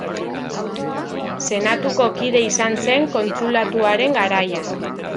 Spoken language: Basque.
Senatuko kide izan zen Kontsulatuaren garaian.